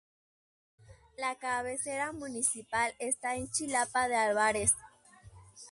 La cabecera municipal está en Chilapa de Álvarez.